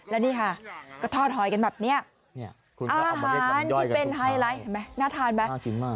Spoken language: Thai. แล้วนี่ค่ะก็ทอดหอยกันแบบนี้อาหารที่เป็นไฮไลท์น่าทานไหม